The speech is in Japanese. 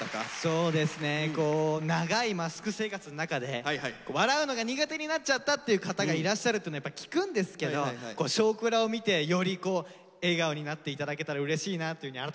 そうですね長いマスク生活の中で笑うのが苦手になっちゃったっていう方がいらっしゃるっていうのやっぱり聞くんですけど「少クラ」を見てより笑顔になって頂けたらうれしいなというふうに改めて思いましたね。